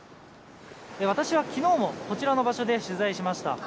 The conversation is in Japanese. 私はきのうもこちらの場所で取材しました。